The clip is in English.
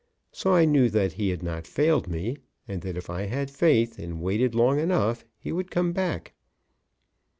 So I knew that he had not failed me, and that if I had faith and waited long enough he would come back.